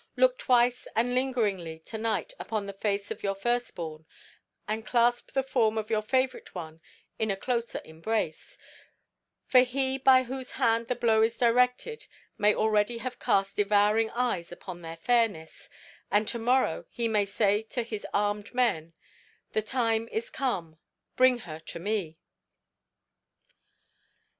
Look twice and lingeringly to night upon the face of your first born, and clasp the form of your favourite one in a closer embrace, for he by whose hand the blow is directed may already have cast devouring eyes upon their fairness, and to morrow he may say to his armed men: 'The time is come; bring her to me.